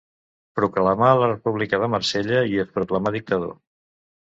Proclamà la República de Marsella i es proclamà dictador.